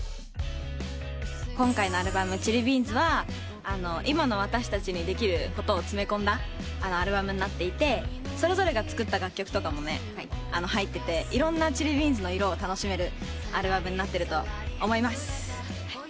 今回のアルバム『ＣｈｉｌｌｉＢｅａｎｓ．』は今の私たちにできることを詰め込んだアルバムになっていてそれぞれが作った楽曲とかも入ってていろんなＣｈｉｌｌｉＢｅａｎｓ．の色を楽しめるアルバムになってると思います。